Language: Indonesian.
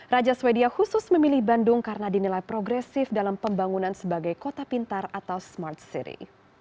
raja swedia khusus memilih bandung karena dinilai progresif dalam pembangunan sebagai kota pintar atau smart city